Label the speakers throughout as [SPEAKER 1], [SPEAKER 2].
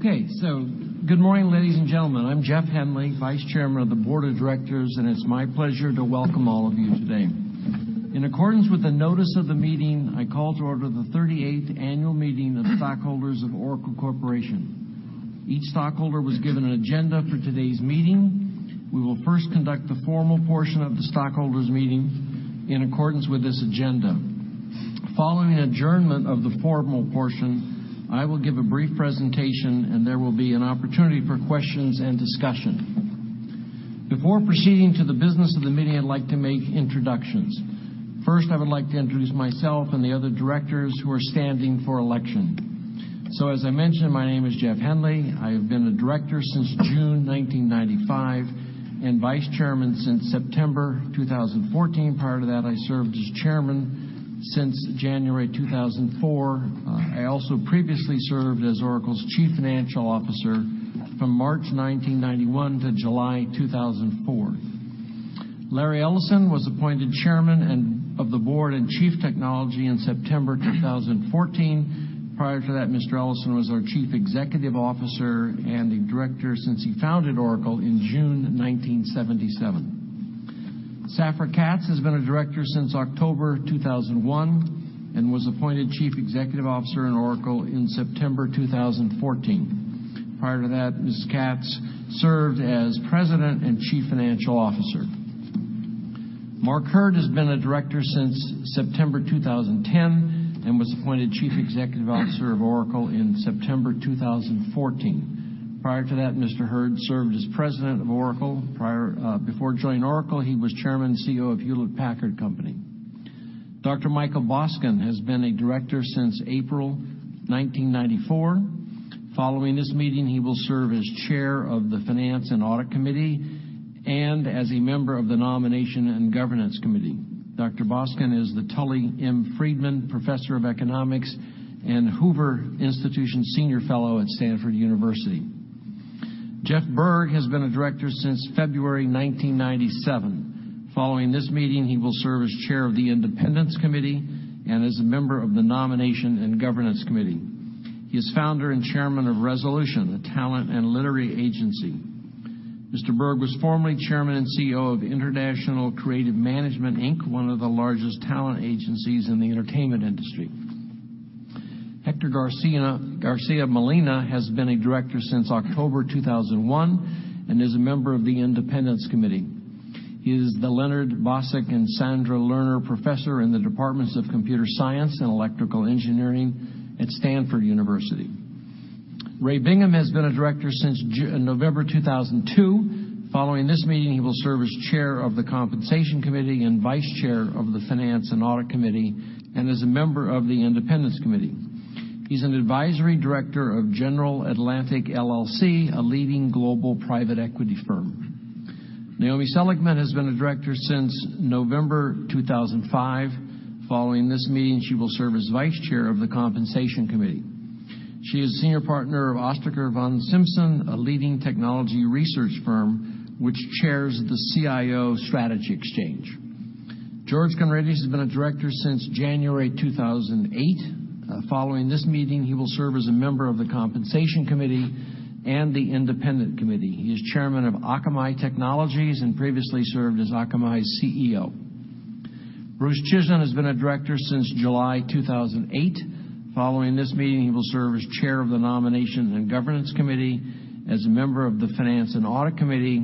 [SPEAKER 1] Good morning, ladies and gentlemen. I'm Jeff Henley, Vice Chairman of the Board of Directors, and it's my pleasure to welcome all of you today. In accordance with the notice of the meeting, I call to order the 38th annual meeting of the stockholders of Oracle Corporation. Each stockholder was given an agenda for today's meeting. We will first conduct the formal portion of the stockholders meeting in accordance with this agenda. Following adjournment of the formal portion, I will give a brief presentation and there will be an opportunity for questions and discussion. Before proceeding to the business of the meeting, I'd like to make introductions. First, I would like to introduce myself and the other directors who are standing for election. As I mentioned, my name is Jeff Henley. I have been a director since June 1995 and Vice Chairman since September 2014. Prior to that, I served as chairman since January 2004. I also previously served as Oracle's Chief Financial Officer from March 1991 to July 2004. Larry Ellison was appointed Chairman of the Board and Chief Technology in September 2014. Prior to that, Mr. Ellison was our Chief Executive Officer and a director since he founded Oracle in June 1977. Safra Catz has been a director since October 2001 and was appointed Chief Executive Officer in Oracle in September 2014. Prior to that, Ms. Catz served as President and Chief Financial Officer. Mark Hurd has been a director since September 2010 and was appointed Chief Executive Officer of Oracle in September 2014. Prior to that, Mr. Hurd served as president of Oracle. Before joining Oracle, he was chairman and CEO of Hewlett-Packard Company. Dr. Michael Boskin has been a director since April 1994. Following this meeting, he will serve as chair of the Finance and Audit Committee and as a member of the Nomination and Governance Committee. Dr. Boskin is the Tully M. Friedman Professor of Economics and Hoover Institution Senior Fellow at Stanford University. Jeff Berg has been a director since February 1997. Following this meeting, he will serve as chair of the Independence Committee and as a member of the Nomination and Governance Committee. He is founder and chairman of Resolution, a talent and literary agency. Mr. Berg was formerly chairman and CEO of International Creative Management, Inc., one of the largest talent agencies in the entertainment industry. Hector Garcia-Molina has been a director since October 2001 and is a member of the Independence Committee. He is the Leonard Bosack and Sandra Lerner Professor in the Departments of Computer Science and Electrical Engineering at Stanford University. Ray Bingham has been a director since November 2002. Following this meeting, he will serve as chair of the Compensation Committee and vice chair of the Finance and Audit Committee, and is a member of the Independence Committee. He's an advisory director of General Atlantic LLC, a leading global private equity firm. Naomi Seligman has been a director since November 2005. Following this meeting, she will serve as vice chair of the Compensation Committee. She is senior partner of Ostriker von Simson, a leading technology research firm which chairs the CIO Strategy Exchange. George Conrades has been a director since January 2008. Following this meeting, he will serve as a member of the Compensation Committee and the Independence Committee. He is chairman of Akamai Technologies and previously served as Akamai's CEO. Bruce Chizen has been a director since July 2008. Following this meeting, he will serve as Chair of the Nomination and Governance Committee, as a member of the Finance and Audit Committee,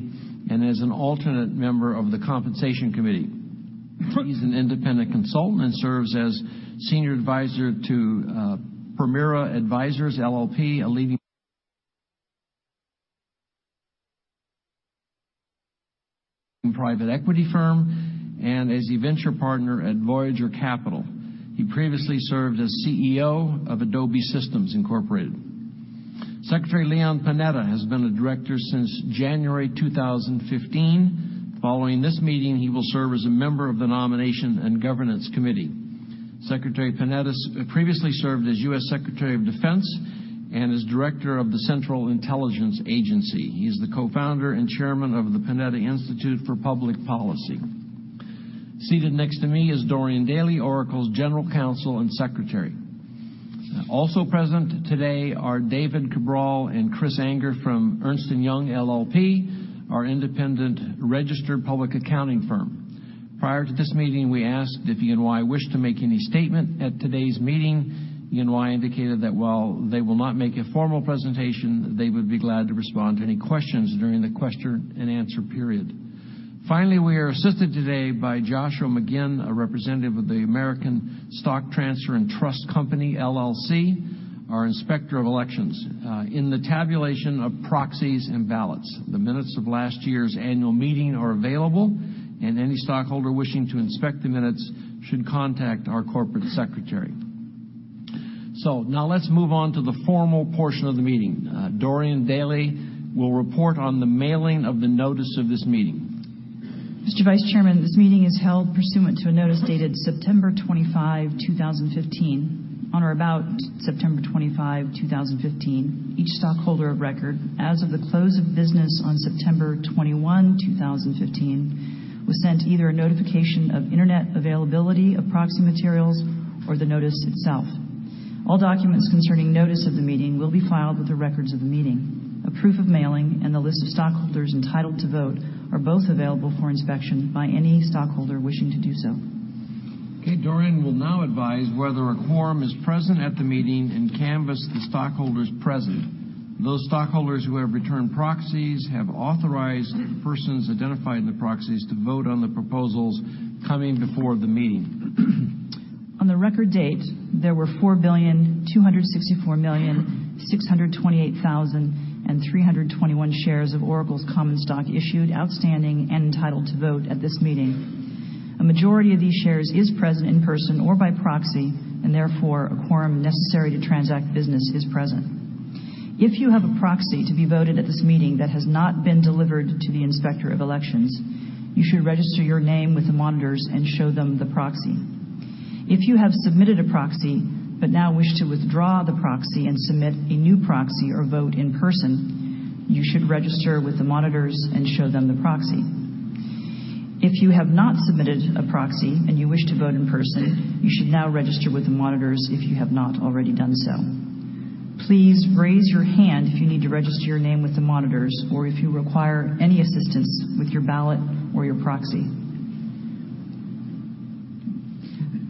[SPEAKER 1] and as an alternate member of the Compensation Committee. He's an independent consultant and serves as Senior Advisor to Permira Advisers LLP, a leading private equity firm, and as a Venture Partner at Voyager Capital. He previously served as CEO of Adobe Systems Incorporated. Secretary Leon Panetta has been a Director since January 2015. Following this meeting, he will serve as a member of the Nomination and Governance Committee. Secretary Panetta previously served as U.S. Secretary of Defense and is Director of the Central Intelligence Agency. He's the Co-founder and Chairman of the Panetta Institute for Public Policy. Seated next to me is Dorian Daley, Oracle's General Counsel and Secretary. Also present today are David Cabral and Chris Anger from Ernst & Young LLP, our independent registered public accounting firm. Prior to this meeting, we asked if E&Y wished to make any statement at today's meeting. E&Y indicated that while they will not make a formal presentation, they would be glad to respond to any questions during the question and answer period. Finally, we are assisted today by Joshua McGinn, a representative of the American Stock Transfer & Trust Company, LLC, our Inspector of Elections, in the tabulation of proxies and ballots. The minutes of last year's annual meeting are available, and any stockholder wishing to inspect the minutes should contact our Corporate Secretary. Now let's move on to the formal portion of the meeting. Dorian Daley will report on the mailing of the notice of this meeting.
[SPEAKER 2] Mr. Vice Chairman, this meeting is held pursuant to a notice dated September 25, 2015. On or about September 25, 2015, each stockholder of record as of the close of business on September 21, 2015, was sent either a notification of internet availability of proxy materials or the notice itself. All documents concerning notice of the meeting will be filed with the records of the meeting. A proof of mailing and the list of stockholders entitled to vote are both available for inspection by any stockholder wishing to do so.
[SPEAKER 1] Okay. Doreen will now advise whether a quorum is present at the meeting and canvass the stockholders present. Those stockholders who have returned proxies have authorized the persons identified in the proxies to vote on the proposals coming before the meeting.
[SPEAKER 2] On the record date, there were 4,264,628,321 shares of Oracle's common stock issued, outstanding, and entitled to vote at this meeting. A majority of these shares is present in person or by proxy, and therefore, a quorum necessary to transact business is present. If you have a proxy to be voted at this meeting that has not been delivered to the Inspector of Elections, you should register your name with the monitors and show them the proxy. If you have submitted a proxy but now wish to withdraw the proxy and submit a new proxy or vote in person, you should register with the monitors and show them the proxy. If you have not submitted a proxy and you wish to vote in person, you should now register with the monitors if you have not already done so. Please raise your hand if you need to register your name with the monitors or if you require any assistance with your ballot or your proxy.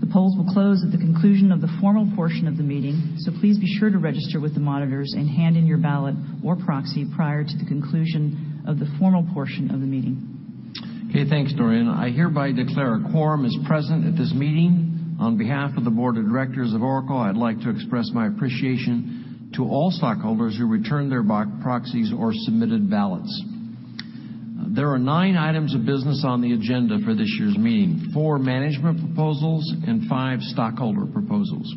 [SPEAKER 2] The polls will close at the conclusion of the formal portion of the meeting, please be sure to register with the monitors and hand in your ballot or proxy prior to the conclusion of the formal portion of the meeting.
[SPEAKER 1] Okay. Thanks, Doreen. I hereby declare a quorum is present at this meeting. On behalf of the Board of Directors of Oracle, I'd like to express my appreciation to all stockholders who returned their proxies or submitted ballots. There are nine items of business on the agenda for this year's meeting, four management proposals and five stockholder proposals.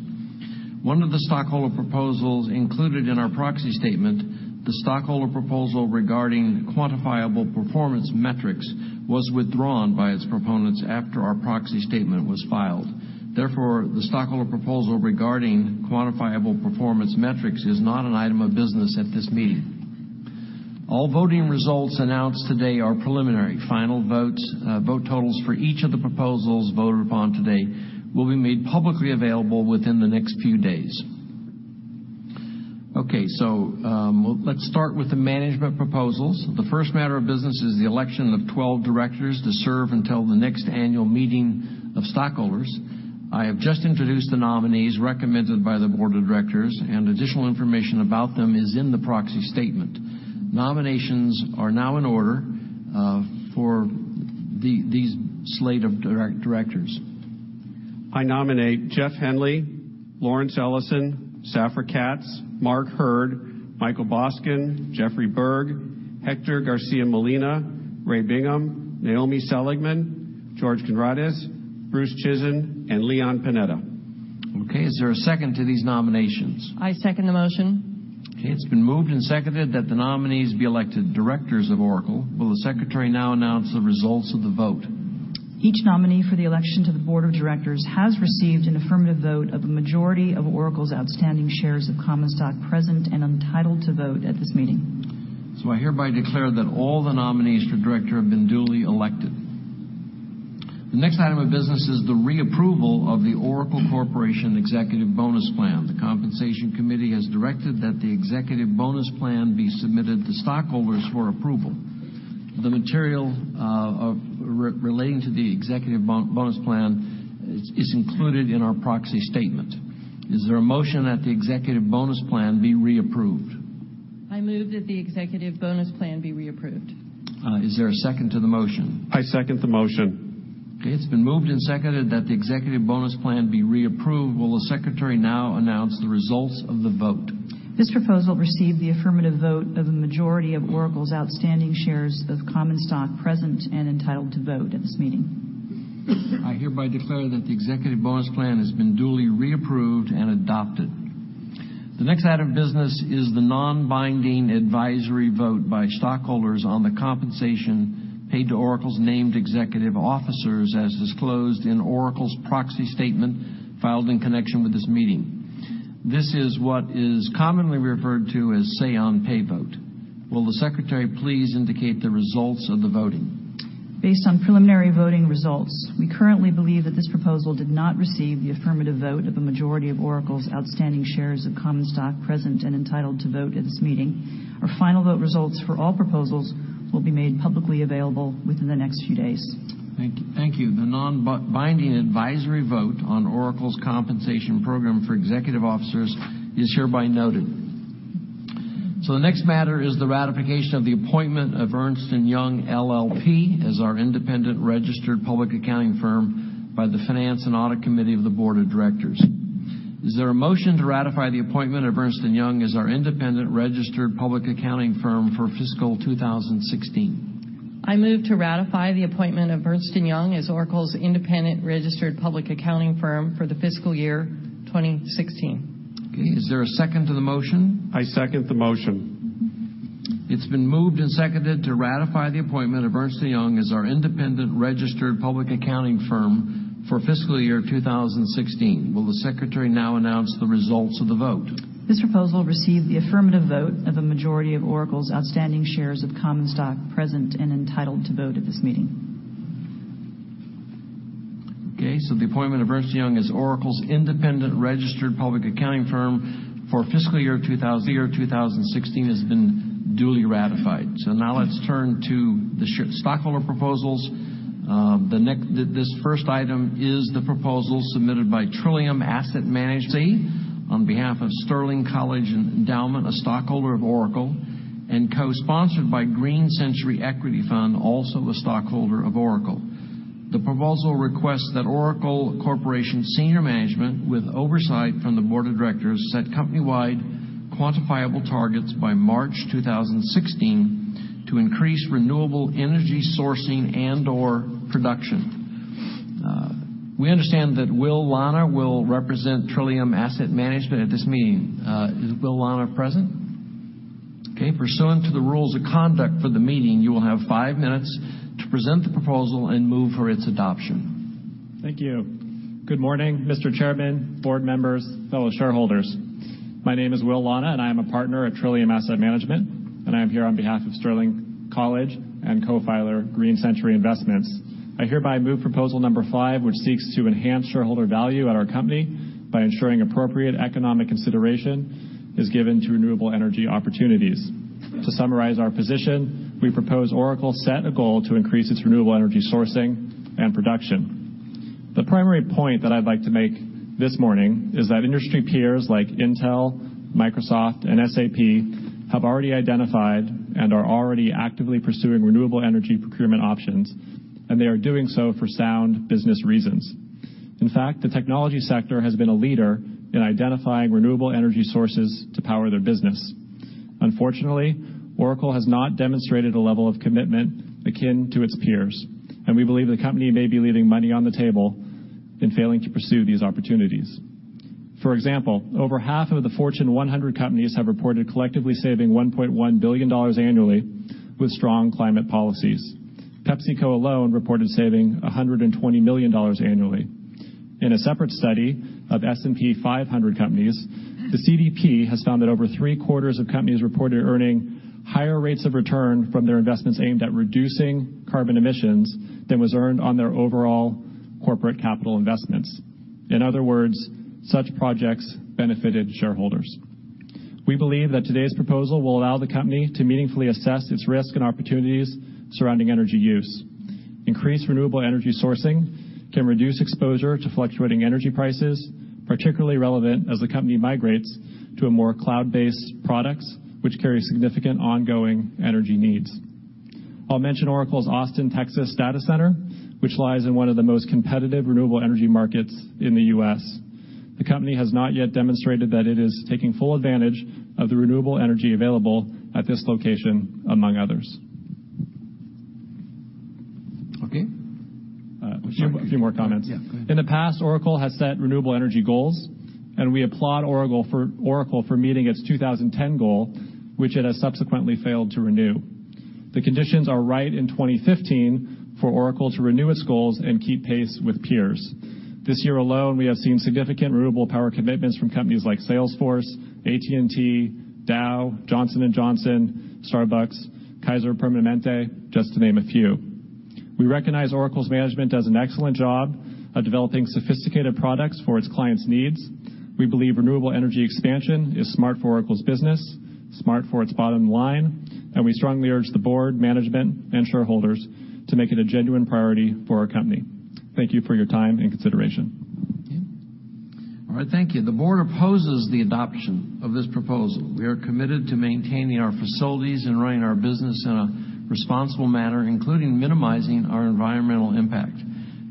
[SPEAKER 1] One of the stockholder proposals included in our proxy statement, the stockholder proposal regarding quantifiable performance metrics, was withdrawn by its proponents after our proxy statement was filed. Therefore, the stockholder proposal regarding quantifiable performance metrics is not an item of business at this meeting. All voting results announced today are preliminary. Final vote totals for each of the proposals voted upon today will be made publicly available within the next few days. Okay, let's start with the management proposals. The first matter of business is the election of 12 directors to serve until the next annual meeting of stockholders. I have just introduced the nominees recommended by the Board of Directors, and additional information about them is in the proxy statement. Nominations are now in order for these slate of directors.
[SPEAKER 3] I nominate Jeff Henley, Lawrence Ellison, Safra Catz, Mark Hurd, Michael Boskin, Jeffrey Berg, Hector Garcia-Molina, Ray Bingham, Naomi Seligman, George Conrades, Bruce Chizen, and Leon Panetta.
[SPEAKER 1] Okay. Is there a second to these nominations?
[SPEAKER 4] I second the motion.
[SPEAKER 1] Okay, it's been moved and seconded that the nominees be elected directors of Oracle. Will the secretary now announce the results of the vote?
[SPEAKER 2] Each nominee for the election to the board of directors has received an affirmative vote of the majority of Oracle's outstanding shares of common stock present and entitled to vote at this meeting.
[SPEAKER 1] I hereby declare that all the nominees for director have been duly elected. The next item of business is the reapproval of the Oracle Corporation Executive Bonus Plan. The Compensation Committee has directed that the Executive Bonus Plan be submitted to stockholders for approval. The material relating to the Executive Bonus Plan is included in our proxy statement. Is there a motion that the Executive Bonus Plan be reapproved?
[SPEAKER 4] I move that the Executive Bonus Plan be reapproved.
[SPEAKER 1] Is there a second to the motion?
[SPEAKER 3] I second the motion.
[SPEAKER 1] Okay, it's been moved and seconded that the executive bonus plan be reapproved. Will the secretary now announce the results of the vote?
[SPEAKER 2] This proposal received the affirmative vote of a majority of Oracle's outstanding shares of common stock present and entitled to vote at this meeting.
[SPEAKER 1] I hereby declare that the executive bonus plan has been duly reapproved and adopted. The next item of business is the non-binding advisory vote by stockholders on the compensation paid to Oracle's named executive officers, as disclosed in Oracle's proxy statement filed in connection with this meeting. This is what is commonly referred to as say on pay vote. Will the secretary please indicate the results of the voting?
[SPEAKER 2] Based on preliminary voting results, we currently believe that this proposal did not receive the affirmative vote of a majority of Oracle's outstanding shares of common stock present and entitled to vote at this meeting. Our final vote results for all proposals will be made publicly available within the next few days.
[SPEAKER 1] Thank you. The non-binding advisory vote on Oracle's compensation program for executive officers is hereby noted. The next matter is the ratification of the appointment of Ernst & Young LLP as our independent registered public accounting firm by the Finance and Audit Committee of the board of directors. Is there a motion to ratify the appointment of Ernst & Young as our independent registered public accounting firm for fiscal 2016?
[SPEAKER 4] I move to ratify the appointment of Ernst & Young as Oracle's independent registered public accounting firm for the fiscal year 2016.
[SPEAKER 1] Okay. Is there a second to the motion?
[SPEAKER 3] I second the motion.
[SPEAKER 1] It's been moved and seconded to ratify the appointment of Ernst & Young as our independent registered public accounting firm for fiscal year 2016. Will the secretary now announce the results of the vote?
[SPEAKER 2] This proposal received the affirmative vote of a majority of Oracle's outstanding shares of common stock present and entitled to vote at this meeting.
[SPEAKER 1] The appointment of Ernst & Young as Oracle's independent registered public accounting firm for fiscal year 2016 has been duly ratified. Now let's turn to the stockholder proposals. This first item is the proposal submitted by Trillium Asset Management on behalf of Sterling College Endowment, a stockholder of Oracle, and co-sponsored by Green Century Equity Fund, also a stockholder of Oracle. The proposal requests that Oracle Corporation senior management, with oversight from the board of directors, set company-wide quantifiable targets by March 2016 to increase renewable energy sourcing and/or production. We understand that William Lana will represent Trillium Asset Management at this meeting. Is William Lana present? Pursuant to the rules of conduct for the meeting, you will have five minutes to present the proposal and move for its adoption.
[SPEAKER 5] Thank you. Good morning, Mr. Chairman, board members, fellow shareholders. My name is William Lana, and I am a partner at Trillium Asset Management, and I am here on behalf of Sterling College and co-filer Green Century Funds. I hereby move proposal number 5, which seeks to enhance shareholder value at our company by ensuring appropriate economic consideration is given to renewable energy opportunities. To summarize our position, we propose Oracle set a goal to increase its renewable energy sourcing and production. The primary point that I'd like to make this morning is that industry peers like Intel, Microsoft, and SAP have already identified and are already actively pursuing renewable energy procurement options, and they are doing so for sound business reasons. In fact, the technology sector has been a leader in identifying renewable energy sources to power their business. Unfortunately, Oracle has not demonstrated a level of commitment akin to its peers, and we believe the company may be leaving money on the table in failing to pursue these opportunities. For example, over half of the Fortune 100 companies have reported collectively saving $1.1 billion annually with strong climate policies. PepsiCo alone reported saving $120 million annually. In a separate study of S&P 500 companies, the CDP has found that over three-quarters of companies reported earning higher rates of return from their investments aimed at reducing carbon emissions than was earned on their overall corporate capital investments. In other words, such projects benefited shareholders. We believe that today's proposal will allow the company to meaningfully assess its risk and opportunities surrounding energy use. Increased renewable energy sourcing can reduce exposure to fluctuating energy prices, particularly relevant as the company migrates to a more cloud-based products, which carry significant ongoing energy needs. I'll mention Oracle's Austin, Texas data center, which lies in one of the most competitive renewable energy markets in the U.S. The company has not yet demonstrated that it is taking full advantage of the renewable energy available at this location, among others.
[SPEAKER 1] Okay.
[SPEAKER 5] A few more comments.
[SPEAKER 1] Yeah, go ahead.
[SPEAKER 5] In the past, Oracle has set renewable energy goals. We applaud Oracle for meeting its 2010 goal, which it has subsequently failed to renew. The conditions are right in 2015 for Oracle to renew its goals and keep pace with peers. This year alone, we have seen significant renewable power commitments from companies like Salesforce, AT&T, Dow, Johnson & Johnson, Starbucks, Kaiser Permanente, just to name a few. We recognize Oracle's management does an excellent job of developing sophisticated products for its clients' needs. We believe renewable energy expansion is smart for Oracle's business, smart for its bottom line, and we strongly urge the board, management, and shareholders to make it a genuine priority for our company. Thank you for your time and consideration.
[SPEAKER 1] All right. Thank you. The board opposes the adoption of this proposal. We are committed to maintaining our facilities and running our business in a responsible manner, including minimizing our environmental impact.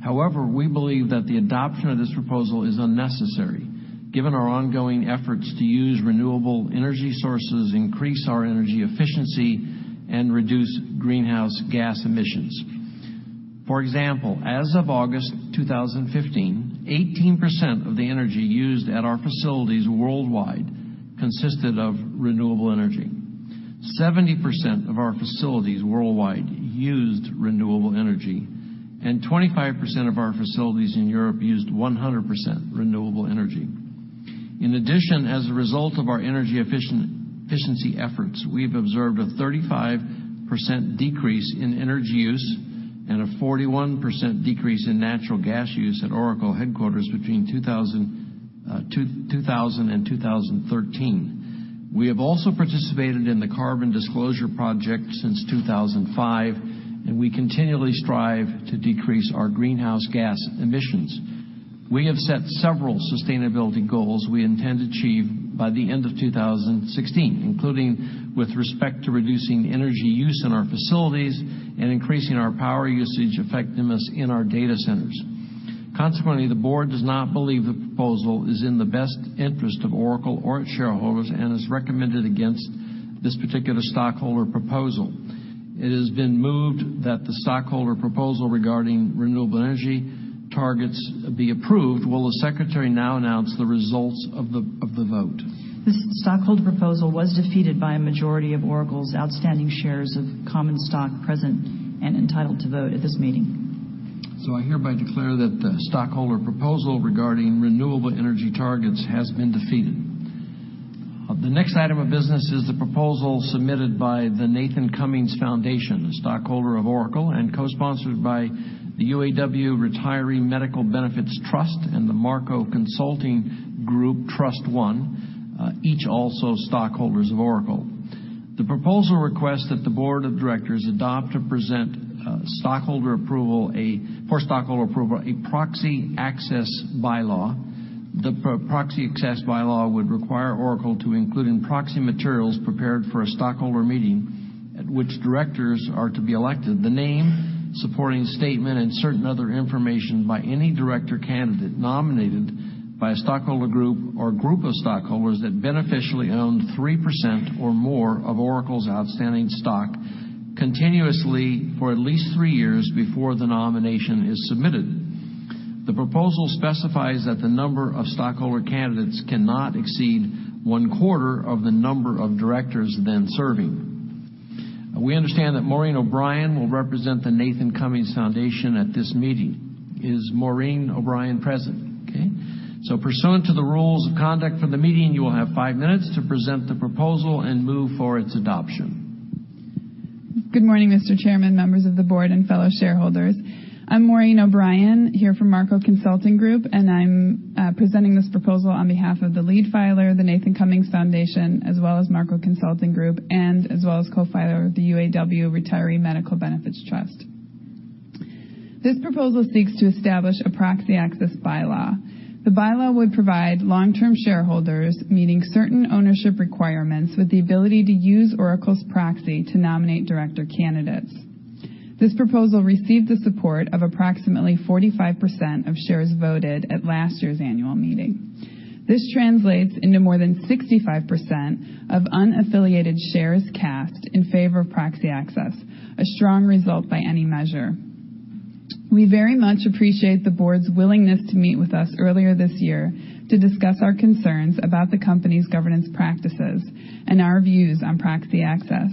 [SPEAKER 1] However, we believe that the adoption of this proposal is unnecessary given our ongoing efforts to use renewable energy sources, increase our energy efficiency, and reduce greenhouse gas emissions. For example, as of August 2015, 18% of the energy used at our facilities worldwide consisted of renewable energy. 70% of our facilities worldwide used renewable energy, and 25% of our facilities in Europe used 100% renewable energy. In addition, as a result of our energy efficiency efforts, we've observed a 35% decrease in energy use and a 41% decrease in natural gas use at Oracle headquarters between 2000 and 2013. We have also participated in the Carbon Disclosure Project since 2005. We continually strive to decrease our greenhouse gas emissions. We have set several sustainability goals we intend to achieve by the end of 2016, including with respect to reducing energy use in our facilities and increasing our power usage effectiveness in our data centers. Consequently, the board does not believe the proposal is in the best interest of Oracle or its shareholders and has recommended against this particular stockholder proposal. It has been moved that the stockholder proposal regarding renewable energy targets be approved. Will the secretary now announce the results of the vote?
[SPEAKER 2] This stockholder proposal was defeated by a majority of Oracle's outstanding shares of common stock present and entitled to vote at this meeting.
[SPEAKER 1] I hereby declare that the stockholder proposal regarding renewable energy targets has been defeated. The next item of business is the proposal submitted by the Nathan Cummings Foundation, a stockholder of Oracle, and co-sponsored by the UAW Retiree Medical Benefits Trust and the Marco Consulting Group Trust I, each also stockholders of Oracle. The proposal requests that the board of directors adopt to present for stockholder approval, a proxy access bylaw. The proxy access bylaw would require Oracle to include in proxy materials prepared for a stockholder meeting at which directors are to be elected, the name, supporting statement, and certain other information by any director candidate nominated by a stockholder group or group of stockholders that beneficially own 3% or more of Oracle's outstanding stock continuously for at least three years before the nomination is submitted. The proposal specifies that the number of stockholder candidates cannot exceed one-quarter of the number of directors then serving. We understand that Maureen O'Brien will represent the Nathan Cummings Foundation at this meeting. Is Maureen O'Brien present? Okay. Pursuant to the rules of conduct for the meeting, you will have five minutes to present the proposal and move for its adoption.
[SPEAKER 6] Good morning, Mr. Chairman, members of the board, and fellow shareholders. I'm Maureen O'Brien, here from Marco Consulting Group, and I'm presenting this proposal on behalf of the lead filer, the Nathan Cummings Foundation, as well as Marco Consulting Group, and as well as co-filer, the UAW Retiree Medical Benefits Trust. This proposal seeks to establish a proxy access bylaw. The bylaw would provide long-term shareholders, meeting certain ownership requirements, with the ability to use Oracle's proxy to nominate director candidates. This proposal received the support of approximately 45% of shares voted at last year's annual meeting. This translates into more than 65% of unaffiliated shares cast in favor of proxy access, a strong result by any measure. We very much appreciate the board's willingness to meet with us earlier this year to discuss our concerns about the company's governance practices and our views on proxy access.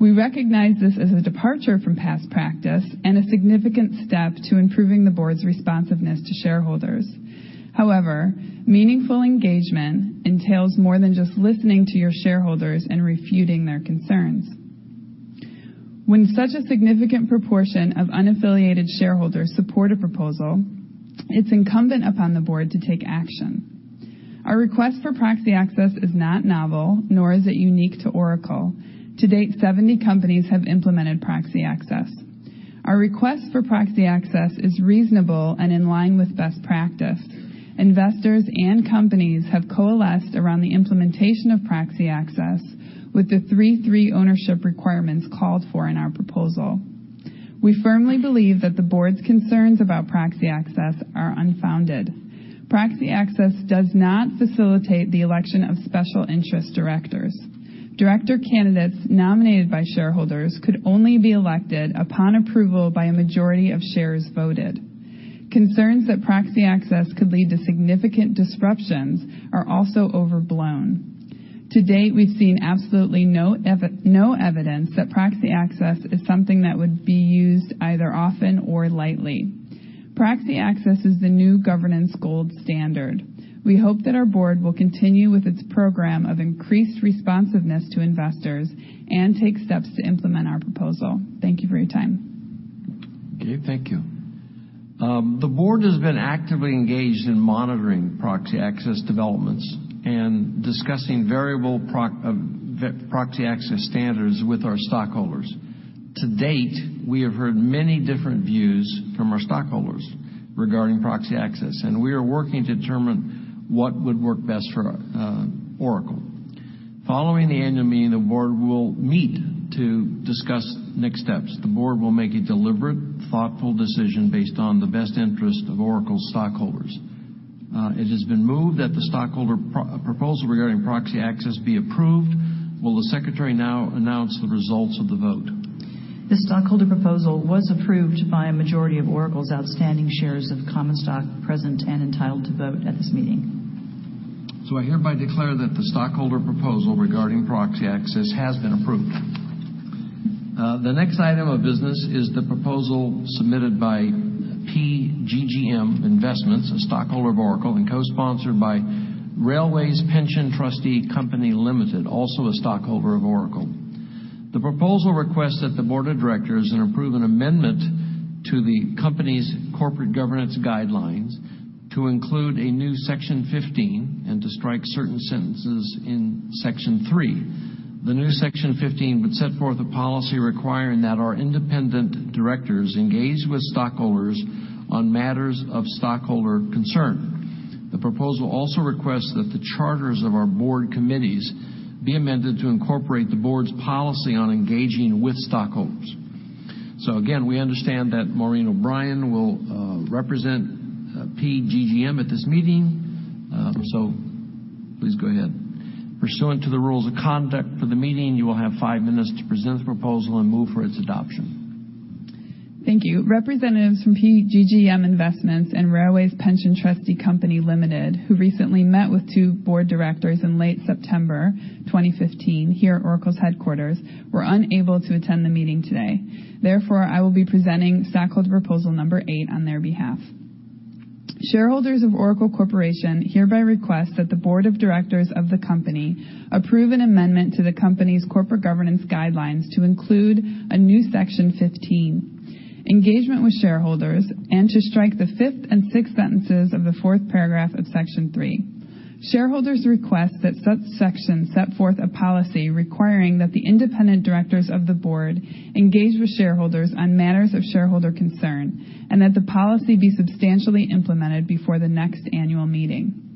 [SPEAKER 6] We recognize this as a departure from past practice and a significant step to improving the board's responsiveness to shareholders. Meaningful engagement entails more than just listening to your shareholders and refuting their concerns. When such a significant proportion of unaffiliated shareholders support a proposal, it's incumbent upon the board to take action. Our request for proxy access is not novel, nor is it unique to Oracle. To date, 70 companies have implemented proxy access. Our request for proxy access is reasonable and in line with best practice. Investors and companies have coalesced around the implementation of proxy access with the 3-3 ownership requirements called for in our proposal. We firmly believe that the board's concerns about proxy access are unfounded. Proxy access does not facilitate the election of special interest directors. Director candidates nominated by shareholders could only be elected upon approval by a majority of shares voted. Concerns that proxy access could lead to significant disruptions are also overblown. We've seen absolutely no evidence that proxy access is something that would be used either often or lightly. Proxy access is the new governance gold standard. We hope that our board will continue with its program of increased responsiveness to investors and take steps to implement our proposal. Thank you for your time.
[SPEAKER 1] Okay, thank you. The board has been actively engaged in monitoring proxy access developments and discussing variable proxy access standards with our stockholders. We have heard many different views from our stockholders regarding proxy access, and we are working to determine what would work best for Oracle. Following the annual meeting, the board will meet to discuss next steps. The board will make a deliberate, thoughtful decision based on the best interest of Oracle's stockholders. It has been moved that the stockholder proposal regarding proxy access be approved. Will the secretary now announce the results of the vote?
[SPEAKER 2] The stockholder proposal was approved by a majority of Oracle's outstanding shares of common stock present and entitled to vote at this meeting.
[SPEAKER 1] I hereby declare that the stockholder proposal regarding proxy access has been approved. The next item of business is the proposal submitted by PGGM Investments, a stockholder of Oracle, and co-sponsored by Railways Pension Trustee Company Limited, also a stockholder of Oracle. The proposal requests that the board of directors approve an amendment to the company's corporate governance guidelines to include a new Section 15 and to strike certain sentences in Section 3. The new Section 15 would set forth a policy requiring that our independent directors engage with stockholders on matters of stockholder concern. The proposal also requests that the charters of our board committees be amended to incorporate the board's policy on engaging with stockholders. Again, we understand that Maureen O'Brien will represent PGGM at this meeting. Please go ahead. Pursuant to the rules of conduct for the meeting, you will have five minutes to present the proposal and move for its adoption.
[SPEAKER 6] Thank you. Representatives from PGGM Investments and Railways Pension Trustee Company Limited, who recently met with two board directors in late September 2015 here at Oracle's headquarters, were unable to attend the meeting today. Therefore, I will be presenting Stockholder Proposal Number 8 on their behalf. Shareholders of Oracle Corporation hereby request that the board of directors of the company approve an amendment to the company's corporate governance guidelines to include a new Section 15, Engagement with Shareholders, and to strike the fifth and sixth sentences of the fourth paragraph of Section 3. Shareholders request that such sections set forth a policy requiring that the independent directors of the board engage with shareholders on matters of shareholder concern, and that the policy be substantially implemented before the next annual meeting.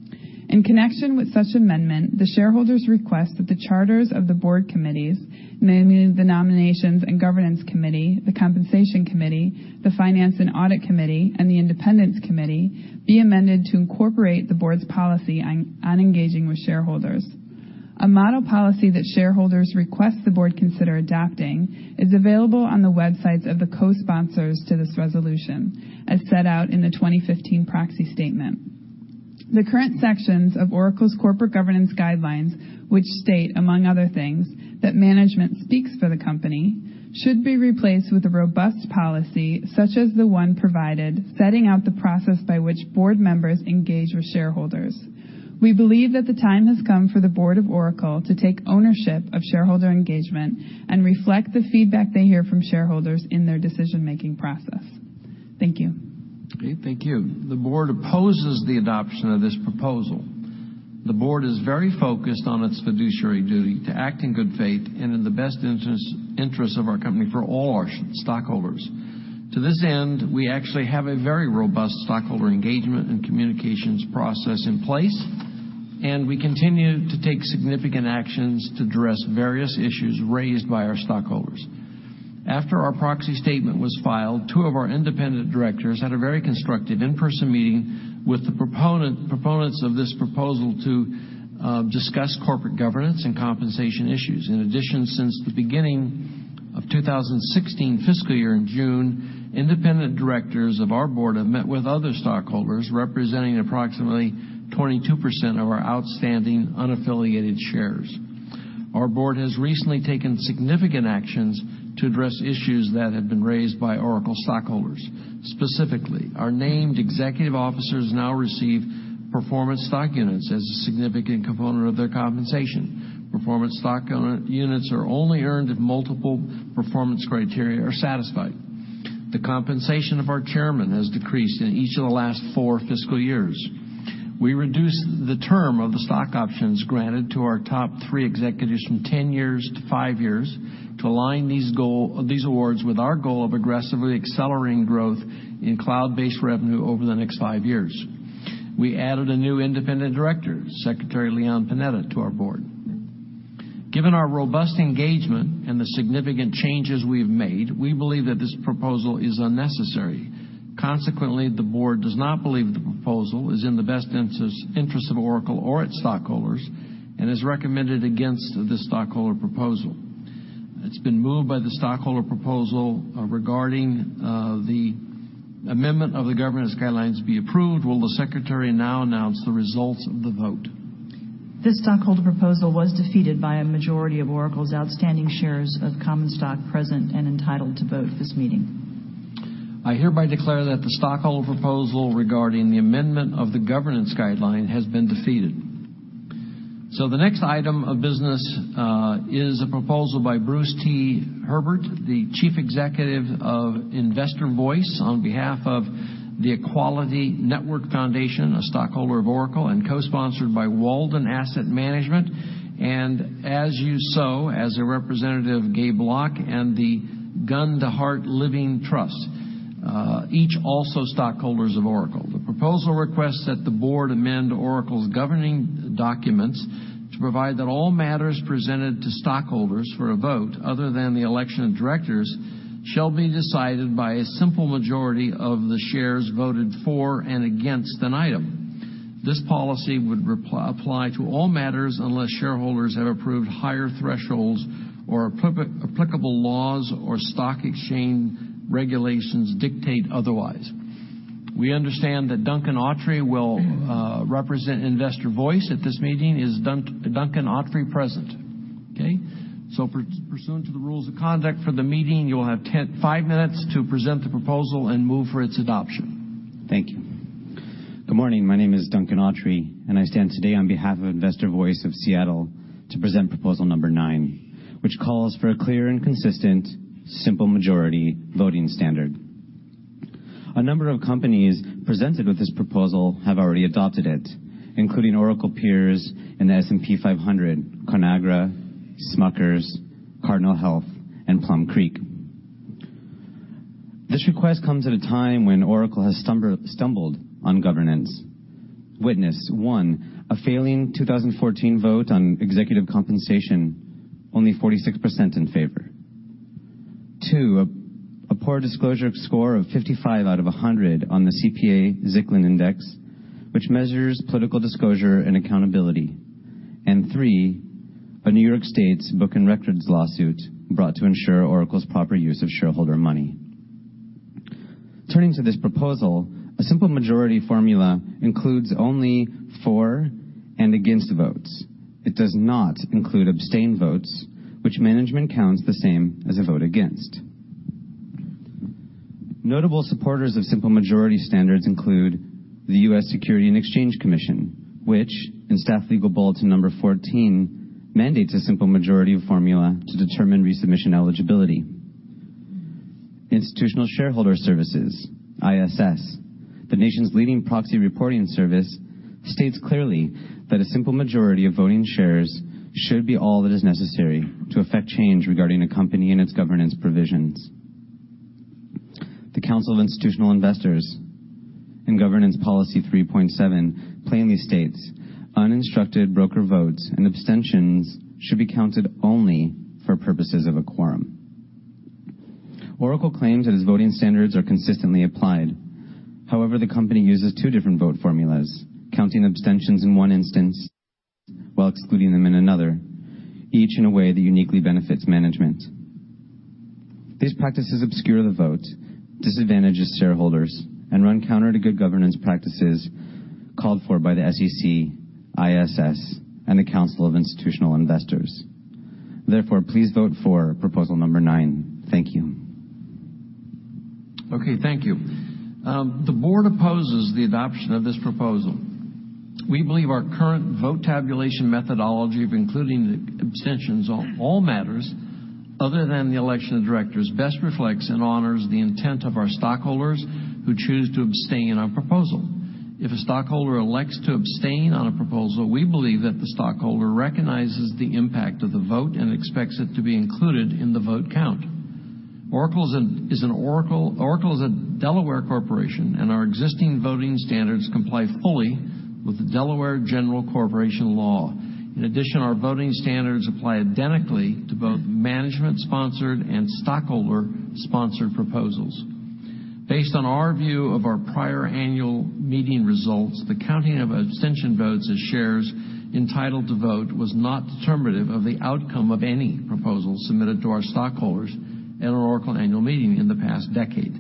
[SPEAKER 6] In connection with such amendment, the shareholders request that the charters of the board committees, namely the Nomination and Governance Committee, the Compensation Committee, the Finance and Audit Committee, and the Independence Committee, be amended to incorporate the board's policy on engaging with shareholders. A model policy that shareholders request the board consider adopting is available on the websites of the co-sponsors to this resolution, as set out in the 2015 proxy statement. The current sections of Oracle's corporate governance guidelines, which state, among other things, that management speaks for the company, should be replaced with a robust policy, such as the one provided, setting out the process by which board members engage with shareholders. We believe that the time has come for the board of Oracle to take ownership of shareholder engagement and reflect the feedback they hear from shareholders in their decision-making process. Thank you.
[SPEAKER 1] Okay. Thank you. The board opposes the adoption of this proposal. The board is very focused on its fiduciary duty to act in good faith and in the best interests of our company for all our stockholders. To this end, we actually have a very robust stockholder engagement and communications process in place, and we continue to take significant actions to address various issues raised by our stockholders. After our proxy statement was filed, two of our independent directors had a very constructive in-person meeting with the proponents of this proposal to discuss corporate governance and compensation issues. In addition, since the beginning of 2016 fiscal year in June, independent directors of our board have met with other stockholders representing approximately 22% of our outstanding unaffiliated shares. Our board has recently taken significant actions to address issues that have been raised by Oracle stockholders. Specifically, our named executive officers now receive performance stock units as a significant component of their compensation. Performance stock units are only earned if multiple performance criteria are satisfied. The compensation of our chairman has decreased in each of the last four fiscal years. We reduced the term of the stock options granted to our top three executives from 10 years to five years to align these awards with our goal of aggressively accelerating growth in cloud-based revenue over the next five years. We added a new independent director, Secretary Leon Panetta, to our board. Given our robust engagement and the significant changes we've made, we believe that this proposal is unnecessary. Consequently, the board does not believe the proposal is in the best interests of Oracle or its stockholders and has recommended against this stockholder proposal. It's been moved by the stockholder proposal regarding the amendment of the governance guidelines be approved. Will the secretary now announce the results of the vote?
[SPEAKER 2] This stockholder proposal was defeated by a majority of Oracle's outstanding shares of common stock present and entitled to vote at this meeting.
[SPEAKER 1] I hereby declare that the stockholder proposal regarding the amendment of the governance guideline has been defeated. The next item of business is a proposal by Bruce T. Herbert, the chief executive of Investor Voice on behalf of the Equality Network Foundation, a stockholder of Oracle, and co-sponsored by Walden Asset Management and As You Sow, as a representative, Gabe Block, and the Gund Heart Living Trust, each also stockholders of Oracle. The proposal requests that the board amend Oracle's governing documents to provide that all matters presented to stockholders for a vote, other than the election of directors, shall be decided by a simple majority of the shares voted for and against an item. This policy would apply to all matters unless shareholders have approved higher thresholds or applicable laws or stock exchange regulations dictate otherwise. We understand that Duncan Autrey will represent Investor Voice at this meeting. Is Duncan Autrey present? Okay. Pursuant to the rules of conduct for the meeting, you will have five minutes to present the proposal and move for its adoption.
[SPEAKER 7] Thank you. Good morning. My name is Duncan Autrey, and I stand today on behalf of Investor Voice of Seattle to present proposal number nine, which calls for a clear and consistent simple majority voting standard. A number of companies presented with this proposal have already adopted it, including Oracle peers in the S&P 500, Conagra, Smuckers, Cardinal Health, and Plum Creek. This request comes at a time when Oracle has stumbled on governance. Witness, one, a failing 2014 vote on executive compensation, only 46% in favor. Two, a poor disclosure score of 55 out of 100 on the CPA-Zicklin Index, which measures political disclosure and accountability. Three, a New York State's book and records lawsuit brought to ensure Oracle's proper use of shareholder money. Turning to this proposal, a simple majority formula includes only for and against votes. It does not include abstain votes, which management counts the same as a vote against. Notable supporters of simple majority standards include the U.S. Securities and Exchange Commission, which in Staff Legal Bulletin No. 14, mandates a simple majority formula to determine resubmission eligibility. Institutional Shareholder Services, ISS, the nation's leading proxy reporting service, states clearly that a simple majority of voting shares should be all that is necessary to affect change regarding a company and its governance provisions. The Council of Institutional Investors in Governance Policy 3.7 plainly states, "Uninstructed broker votes and abstentions should be counted only for purposes of a quorum." Oracle claims that its voting standards are consistently applied. However, the company uses two different vote formulas, counting abstentions in one instance while excluding them in another, each in a way that uniquely benefits management. These practices obscure the vote, disadvantage shareholders, and run counter to good governance practices called for by the SEC, ISS, and the Council of Institutional Investors. Therefore, please vote for proposal number nine. Thank you.
[SPEAKER 1] Okay. Thank you. The board opposes the adoption of this proposal. We believe our current vote tabulation methodology of including the abstentions on all matters other than the election of directors best reflects and honors the intent of our stockholders who choose to abstain on proposal. If a stockholder elects to abstain on a proposal, we believe that the stockholder recognizes the impact of the vote and expects it to be included in the vote count. Oracle is a Delaware corporation, and our existing voting standards comply fully with the Delaware General Corporation Law. In addition, our voting standards apply identically to both management-sponsored and stockholder-sponsored proposals. Based on our view of our prior annual meeting results, the counting of abstention votes as shares entitled to vote was not determinative of the outcome of any proposals submitted to our stockholders at our Oracle annual meeting in the past decade.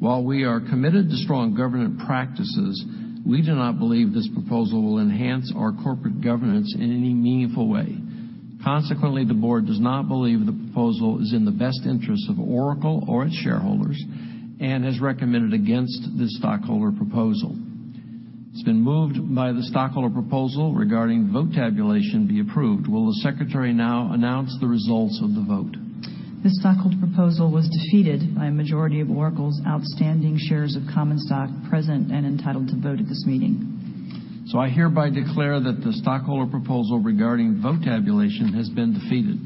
[SPEAKER 1] While we are committed to strong governance practices, we do not believe this proposal will enhance our corporate governance in any meaningful way. Consequently, the board does not believe the proposal is in the best interest of Oracle or its shareholders and has recommended against this stockholder proposal. It's been moved by the stockholder proposal regarding vote tabulation be approved. Will the secretary now announce the results of the vote?
[SPEAKER 2] This stockholder proposal was defeated by a majority of Oracle's outstanding shares of common stock present and entitled to vote at this meeting.
[SPEAKER 1] I hereby declare that the stockholder proposal regarding vote tabulation has been defeated.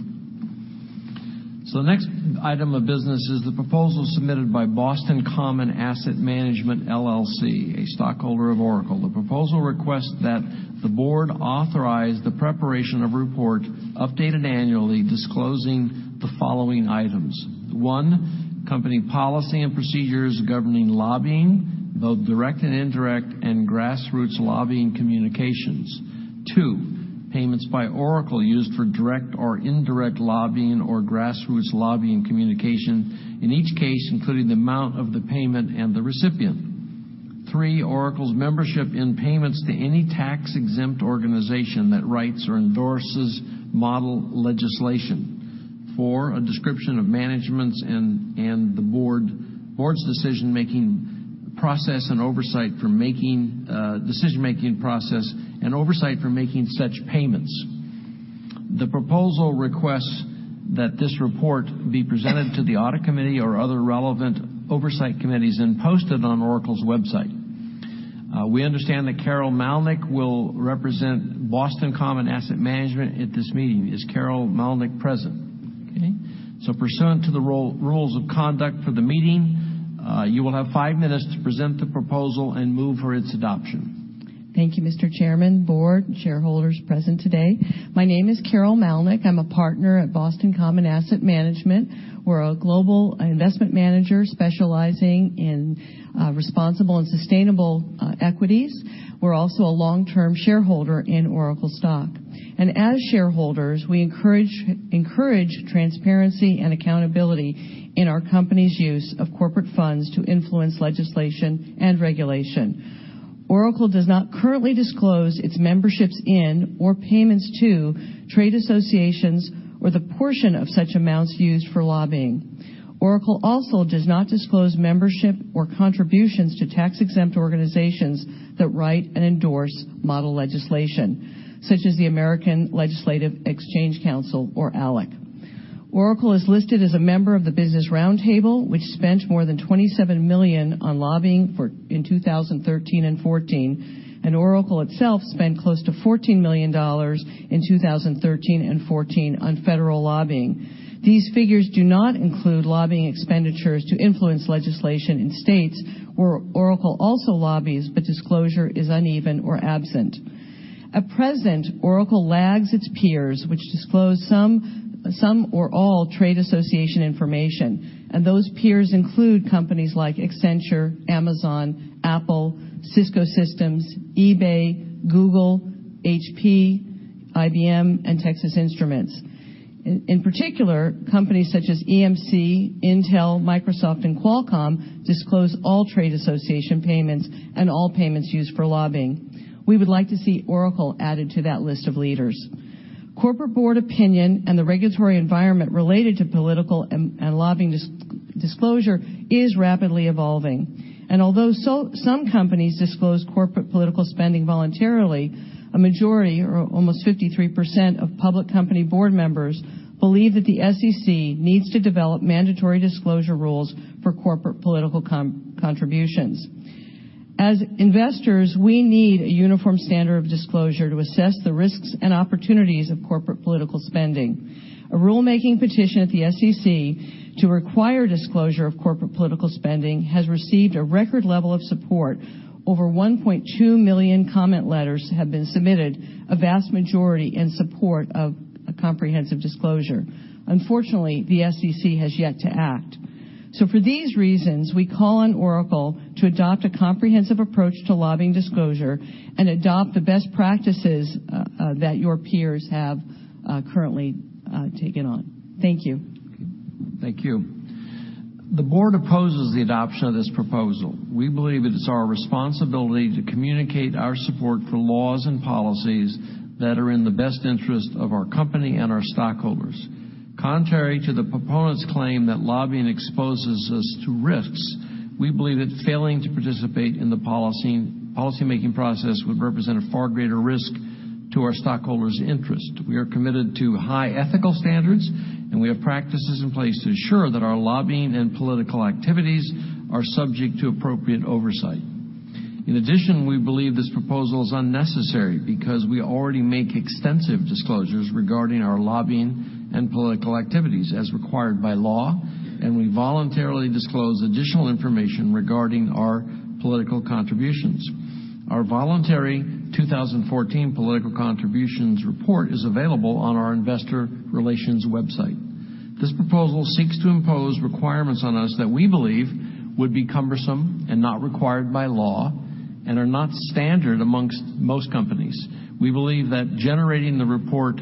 [SPEAKER 1] The next item of business is the proposal submitted by Boston Common Asset Management LLC, a stockholder of Oracle. The proposal requests that the board authorize the preparation of a report updated annually disclosing the following items. One, company policy and procedures governing lobbying, both direct and indirect, and grassroots lobbying communications. Two, payments by Oracle used for direct or indirect lobbying or grassroots lobbying communication, in each case, including the amount of the payment and the recipient. Three, Oracle's membership in payments to any tax-exempt organization that writes or endorses model legislation. Four, a description of management's and the board's decision-making process and oversight for making such payments. The proposal requests that this report be presented to the Audit Committee or other relevant oversight committees and posted on Oracle's website. We understand that Carol Malnick will represent Boston Common Asset Management at this meeting. Is Carol Malnick present? Okay. Pursuant to the rules of conduct for the meeting, you will have five minutes to present the proposal and move for its adoption.
[SPEAKER 8] Thank you, Mr. Chairman, board, shareholders present today. My name is Carol Malnick. I'm a partner at Boston Common Asset Management. We're a global investment manager specializing in responsible and sustainable equities. We're also a long-term shareholder in Oracle stock. As shareholders, we encourage transparency and accountability in our company's use of corporate funds to influence legislation and regulation. Oracle does not currently disclose its memberships in or payments to trade associations or the portion of such amounts used for lobbying. Oracle also does not disclose membership or contributions to tax-exempt organizations that write and endorse model legislation, such as the American Legislative Exchange Council, or ALEC. Oracle is listed as a member of the Business Roundtable, which spent more than $27 million on lobbying in 2013 and 2014, and Oracle itself spent close to $14 million in 2013 and 2014 on federal lobbying. These figures do not include lobbying expenditures to influence legislation in states where Oracle also lobbies. Disclosure is uneven or absent. At present, Oracle lags its peers, which disclose some or all trade association information, and those peers include companies like Accenture, Amazon, Apple, Cisco Systems, eBay, Google, HP, IBM, and Texas Instruments. In particular, companies such as EMC, Intel, Microsoft, and Qualcomm disclose all trade association payments and all payments used for lobbying. We would like to see Oracle added to that list of leaders. Corporate board opinion and the regulatory environment related to political and lobbying disclosure is rapidly evolving. Although some companies disclose corporate political spending voluntarily, a majority, or almost 53% of public company board members, believe that the SEC needs to develop mandatory disclosure rules for corporate political contributions. As investors, we need a uniform standard of disclosure to assess the risks and opportunities of corporate political spending. A rulemaking petition at the SEC to require disclosure of corporate political spending has received a record level of support. Over 1.2 million comment letters have been submitted, a vast majority in support of a comprehensive disclosure. Unfortunately, the SEC has yet to act. For these reasons, we call on Oracle to adopt a comprehensive approach to lobbying disclosure and adopt the best practices that your peers have currently taken on. Thank you.
[SPEAKER 1] Thank you. The board opposes the adoption of this proposal. We believe it is our responsibility to communicate our support for laws and policies that are in the best interest of our company and our stockholders. Contrary to the proponents' claim that lobbying exposes us to risks, we believe that failing to participate in the policymaking process would represent a far greater risk to our stockholders' interest. We are committed to high ethical standards, and we have practices in place to ensure that our lobbying and political activities are subject to appropriate oversight. In addition, we believe this proposal is unnecessary because we already make extensive disclosures regarding our lobbying and political activities as required by law, and we voluntarily disclose additional information regarding our political contributions. Our voluntary 2014 political contributions report is available on our investor relations website. This proposal seeks to impose requirements on us that we believe would be cumbersome and not required by law and are not standard amongst most companies. We believe that generating the report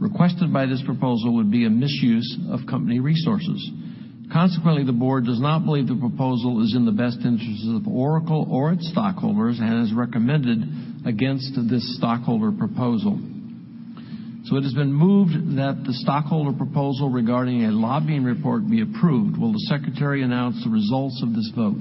[SPEAKER 1] requested by this proposal would be a misuse of company resources. Consequently, the board does not believe the proposal is in the best interest of Oracle or its stockholders and has recommended against this stockholder proposal. It has been moved that the stockholder proposal regarding a lobbying report be approved. Will the secretary announce the results of this vote?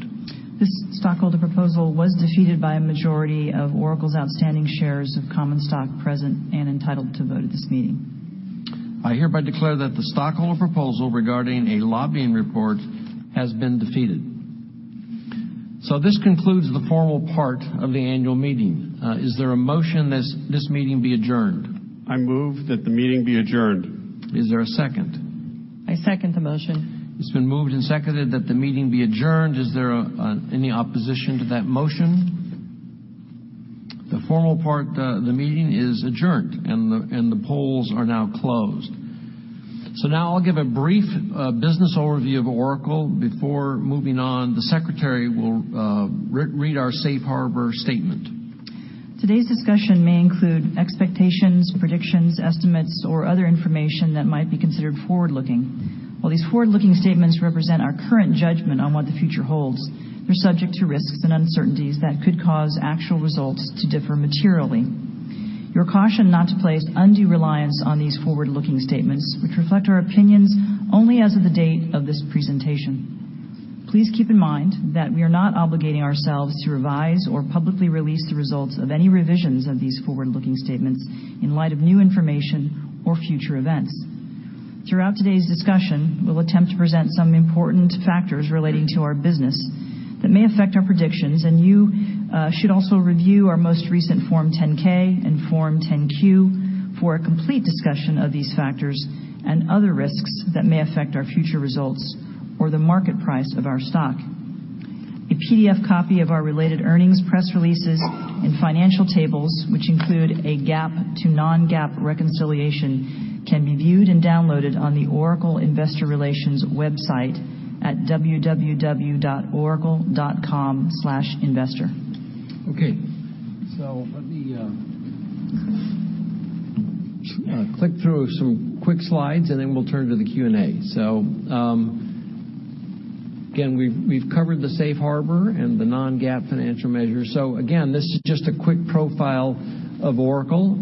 [SPEAKER 2] This stockholder proposal was defeated by a majority of Oracle's outstanding shares of common stock present and entitled to vote at this meeting.
[SPEAKER 1] I hereby declare that the stockholder proposal regarding a lobbying report has been defeated. This concludes the formal part of the annual meeting. Is there a motion this meeting be adjourned?
[SPEAKER 3] I move that the meeting be adjourned.
[SPEAKER 1] Is there a second?
[SPEAKER 8] I second the motion.
[SPEAKER 1] It's been moved and seconded that the meeting be adjourned. Is there any opposition to that motion? The formal part, the meeting is adjourned, and the polls are now closed. Now I'll give a brief business overview of Oracle before moving on. The secretary will read our safe harbor statement.
[SPEAKER 2] Today's discussion may include expectations, predictions, estimates, or other information that might be considered forward-looking. While these forward-looking statements represent our current judgment on what the future holds, they're subject to risks and uncertainties that could cause actual results to differ materially. You are cautioned not to place undue reliance on these forward-looking statements, which reflect our opinions only as of the date of this presentation. Please keep in mind that we are not obligating ourselves to revise or publicly release the results of any revisions of these forward-looking statements in light of new information or future events. Throughout today's discussion, we'll attempt to present some important factors relating to our business that may affect our predictions, and you should also review our most recent Form 10-K and Form 10-Q for a complete discussion of these factors and other risks that may affect our future results or the market price of our stock. A PDF copy of our related earnings, press releases, and financial tables, which include a GAAP to non-GAAP reconciliation, can be viewed and downloaded on the Oracle investor relations website at www.oracle.com/investor.
[SPEAKER 1] Okay, let me click through some quick slides, then we'll turn to the Q&A. Again, we've covered the safe harbor and the non-GAAP financial measures. Again, this is just a quick profile of Oracle.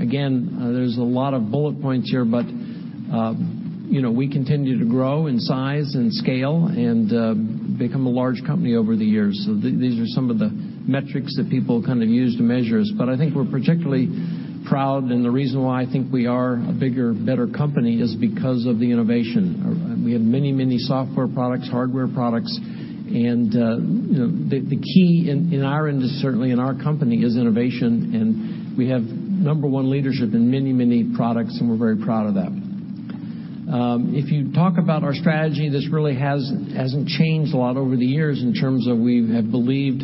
[SPEAKER 1] Again, there's a lot of bullet points here, but we continue to grow in size and scale and become a large company over the years. These are some of the metrics that people use to measure us. I think we're particularly proud, and the reason why I think we are a bigger, better company is because of the innovation. We have many, many software products, hardware products. The key in our industry, certainly in our company, is innovation, and we have number one leadership in many, many products, and we're very proud of that. If you talk about our strategy, this really hasn't changed a lot over the years in terms of we have believed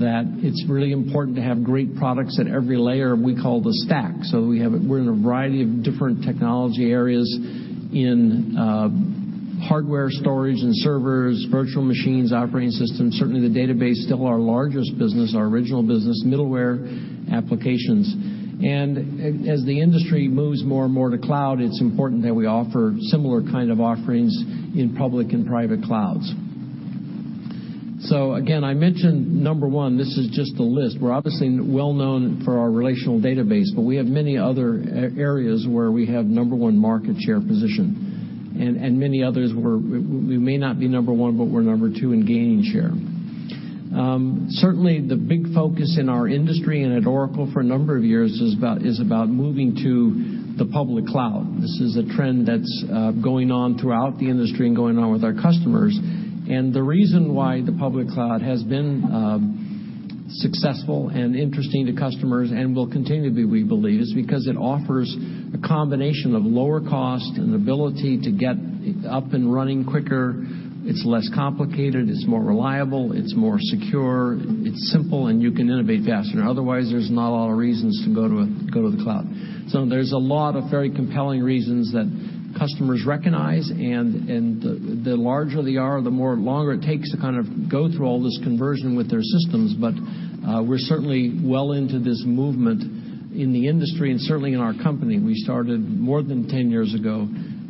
[SPEAKER 1] that it's really important to have great products at every layer we call the stack. We're in a variety of different technology areas in hardware storage and servers, virtual machines, operating systems. Certainly, the database still our largest business, our original business, middleware applications. As the industry moves more and more to cloud, it's important that we offer similar kind of offerings in public and private clouds. Again, I mentioned number one, this is just the list. We're obviously well-known for our relational database, but we have many other areas where we have number one market share position. Many others where we may not be number one, but we're number two and gaining share. Certainly, the big focus in our industry and at Oracle for a number of years is about moving to the public cloud. This is a trend that's going on throughout the industry and going on with our customers. The reason why the public cloud has been successful and interesting to customers and will continue to be, we believe, is because it offers a combination of lower cost and ability to get up and running quicker. It's less complicated, it's more reliable, it's more secure, it's simple, and you can innovate faster. Otherwise, there's not a lot of reasons to go to the cloud. There's a lot of very compelling reasons that customers recognize, and the larger they are, the longer it takes to go through all this conversion with their systems. We're certainly well into this movement in the industry and certainly in our company. We started more than 10 years ago,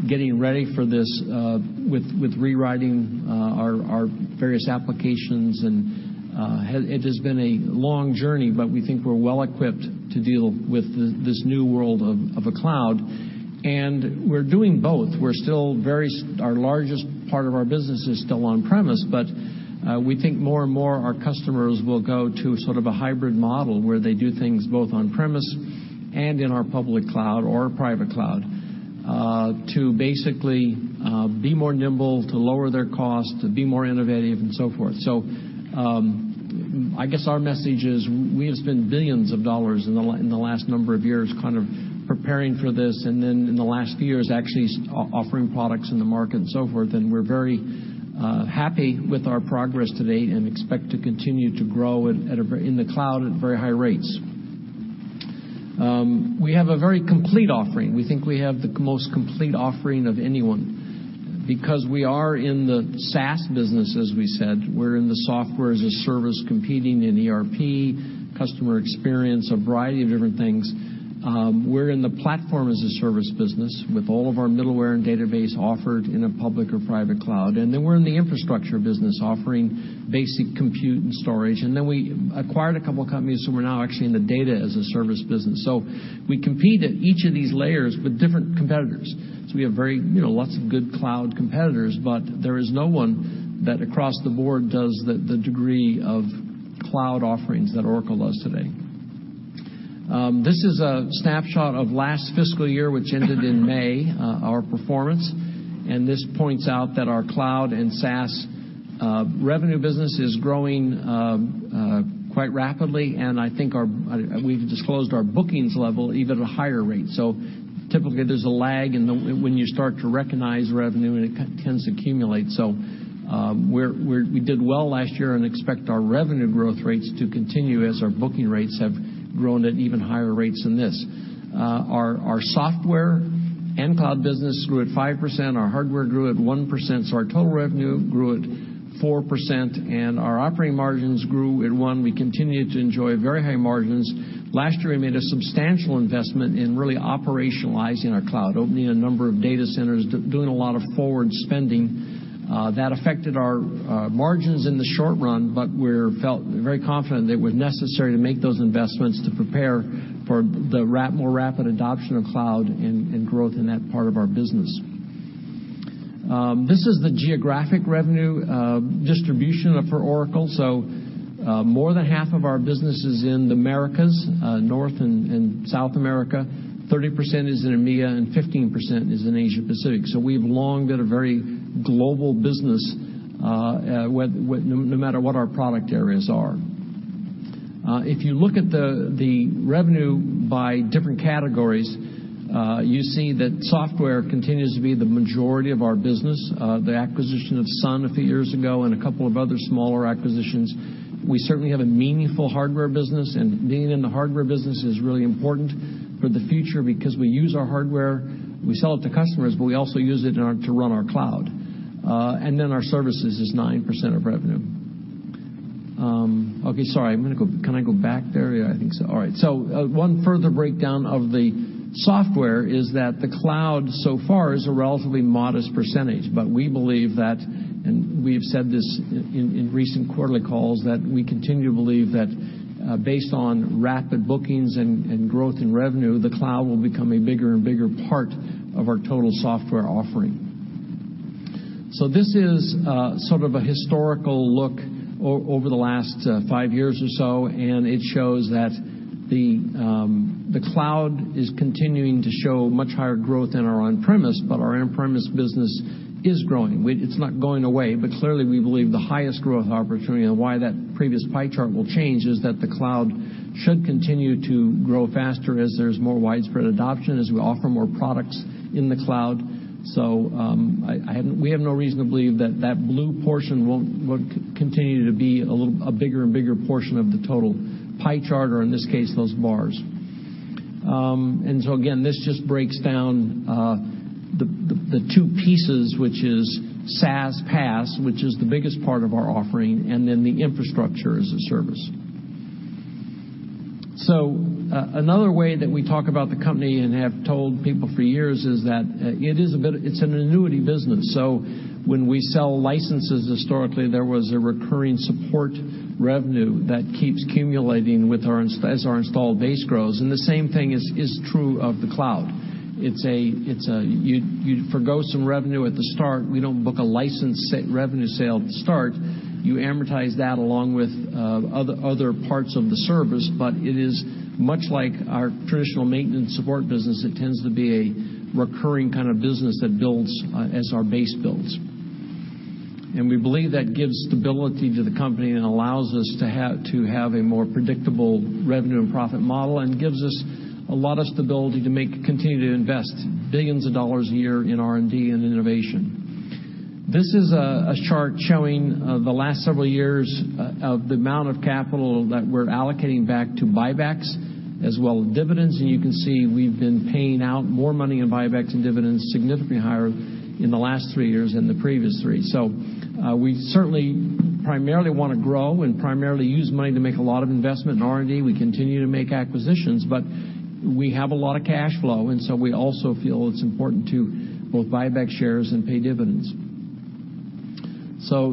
[SPEAKER 1] getting ready for this, with rewriting our various applications, and it has been a long journey, but we think we're well-equipped to deal with this new world of a cloud. We're doing both. Our largest part of our business is still on-premise, but we think more and more our customers will go to a hybrid model where they do things both on-premise and in our public cloud or private cloud, to basically be more nimble, to lower their costs, to be more innovative, and so forth. I guess our message is we have spent $ billions in the last number of years preparing for this, and then in the last few years, actually offering products in the market and so forth. We're very happy with our progress to date and expect to continue to grow in the cloud at very high rates. We have a very complete offering. We think we have the most complete offering of anyone because we are in the SaaS business, as we said. We're in the software-as-a-service competing in ERP, customer experience, a variety of different things. We're in the platform as a service business with all of our middleware and database offered in a public or private cloud. Then we're in the infrastructure business offering basic compute and storage. Then we acquired a couple of companies, so we're now actually in the data as a service business. We compete at each of these layers with different competitors. We have lots of good cloud competitors, there is no one that across the board does the degree of cloud offerings that Oracle does today. This is a snapshot of last fiscal year, which ended in May, our performance. We've disclosed our bookings level even at a higher rate. Typically, there's a lag when you start to recognize revenue, and it tends to accumulate. We did well last year and expect our revenue growth rates to continue as our booking rates have grown at even higher rates than this. Our software and cloud business grew at 5%, our hardware grew at 1%, our total revenue grew at 4%, and our operating margins grew at 1%. We continue to enjoy very high margins. Last year, we made a substantial investment in really operationalizing our cloud, opening a number of data centers, doing a lot of forward spending. That affected our margins in the short run, we felt very confident that it was necessary to make those investments to prepare for the more rapid adoption of cloud and growth in that part of our business. This is the geographic revenue distribution for Oracle. More than half of our business is in the Americas, North and South America, 30% is in EMEA, 15% is in Asia Pacific. We've long been a very global business no matter what our product areas are. If you look at the revenue by different categories, you see that software continues to be the majority of our business. The acquisition of Sun a few years ago, a couple of other smaller acquisitions, we certainly have a meaningful hardware business, being in the hardware business is really important for the future because we use our hardware, we sell it to customers, we also use it to run our cloud. Our services is 9% of revenue. Okay, sorry. Can I go back there? Yeah, I think so. All right. One further breakdown of the software is that the cloud so far is a relatively modest percentage, we believe that, and we've said this in recent quarterly calls, that we continue to believe that based on rapid bookings and growth in revenue, the cloud will become a bigger and bigger part of our total software offering. This is a historical look over the last five years or so, it shows that the cloud is continuing to show much higher growth than our on-premise, our on-premise business is growing. It's not going away, clearly, we believe the highest growth opportunity and why that previous pie chart will change is that the cloud should continue to grow faster as there's more widespread adoption, as we offer more products in the cloud. We have no reason to believe that that blue portion won't continue to be a bigger and bigger portion of the total pie chart, or in this case, those bars. Again, this just breaks down the two pieces, which is SaaS, PaaS, which is the biggest part of our offering, the infrastructure as a service. Another way that we talk about the company and have told people for years is that it's an annuity business. When we sell licenses, historically, there was a recurring support revenue that keeps accumulating as our installed base grows, and the same thing is true of the cloud. You forgo some revenue at the start. We don't book a license revenue sale at the start. You amortize that along with other parts of the service, but it is much like our traditional maintenance support business. It tends to be a recurring kind of business that builds as our base builds. We believe that gives stability to the company and allows us to have a more predictable revenue and profit model and gives us a lot of stability to continue to invest billions of dollars a year in R&D and innovation. This is a chart showing the last several years of the amount of capital that we're allocating back to buybacks as well as dividends. You can see we've been paying out more money in buybacks and dividends, significantly higher in the last three years than the previous three. We certainly primarily want to grow and primarily use money to make a lot of investment in R&D. We continue to make acquisitions, but we have a lot of cash flow, we also feel it's important to both buy back shares and pay dividends.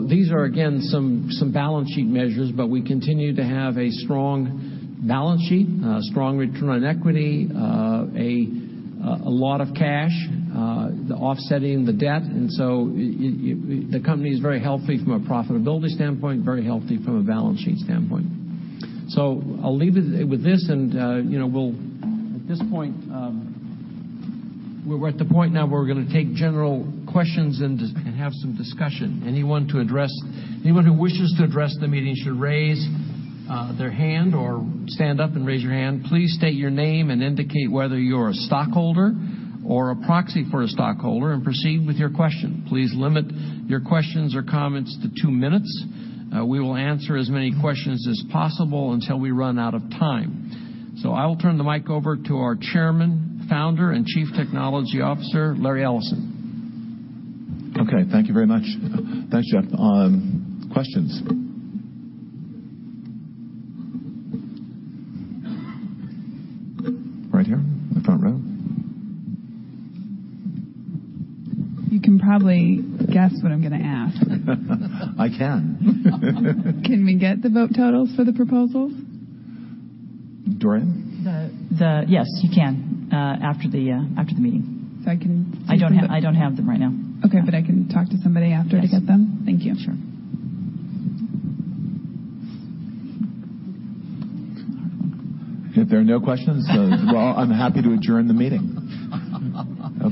[SPEAKER 1] These are, again, some balance sheet measures, but we continue to have a strong balance sheet, strong return on equity, a lot of cash offsetting the debt. The company is very healthy from a profitability standpoint, very healthy from a balance sheet standpoint. I'll leave it with this. At this point, we're at the point now where we're going to take general questions and have some discussion. Anyone who wishes to address the meeting should raise their hand or stand up and raise your hand. Please state your name and indicate whether you're a stockholder or a proxy for a stockholder and proceed with your question. Please limit your questions or comments to two minutes. We will answer as many questions as possible until we run out of time. I will turn the mic over to our Chairman, Founder, and Chief Technology Officer, Larry Ellison.
[SPEAKER 9] Thank you very much. Thanks, Jeff. Questions? Right here in the front row.
[SPEAKER 6] You can probably guess what I'm going to ask.
[SPEAKER 9] I can.
[SPEAKER 6] Can we get the vote totals for the proposals?
[SPEAKER 9] Dorian?
[SPEAKER 2] Yes, you can after the meeting.
[SPEAKER 6] I can-
[SPEAKER 2] I don't have them right now.
[SPEAKER 6] Okay, I can talk to somebody after to get them?
[SPEAKER 2] Yes.
[SPEAKER 6] Thank you.
[SPEAKER 2] Sure.
[SPEAKER 9] If there are no questions, well, I'm happy to adjourn the meeting.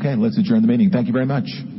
[SPEAKER 9] Let's adjourn the meeting. Thank you very much.